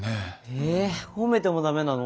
えっ褒めても駄目なの？